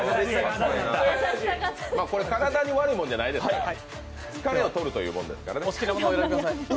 これ、体に悪いものじゃないですから、疲れをとるものですからお好きなものを選んでください。